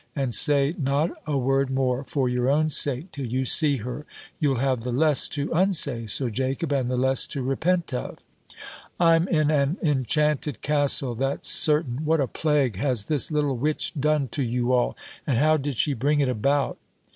And say not a word more, for your own sake, till you see her. You'll have the less to unsay, Sir Jacob, and the less to repent of." "I'm in an enchanted castle, that's certain. What a plague has this little witch done to you all? And how did she bring it about?"